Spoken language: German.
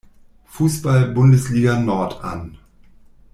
Fußball-Bundesliga Nord an.